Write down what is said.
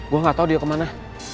gue gak tau dia kemana